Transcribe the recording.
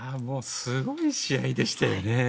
すごい試合でしたよね。